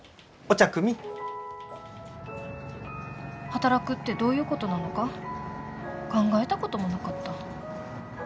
働くってどういうことなのか考えたこともなかった。